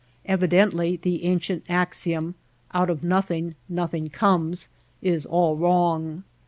Evidently the an cient axiom :^^ Out of nothing, nothing comes '^ is all wrong.